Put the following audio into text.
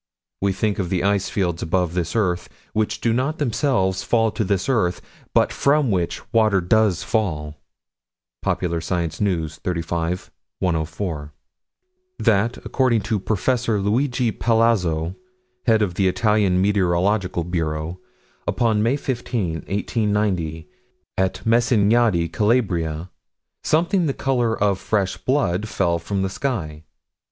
We think of the ice fields above this earth: which do not, themselves, fall to this earth, but from which water does fall Popular Science News, 35 104: That, according to Prof. Luigi Palazzo, head of the Italian Meteorological Bureau, upon May 15, 1890, at Messignadi, Calabria, something the color of fresh blood fell from the sky.